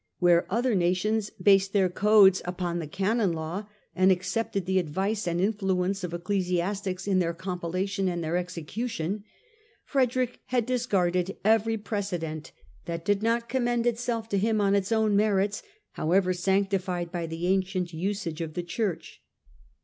Where other nations based their codes upon the Canon Law and accepted the advice and influence of ecclesiastics in their compilation and their execution, Frederick had discarded every precedent that did not commend itself to him on its own merits, however sanctified by the ancient usage of the Church.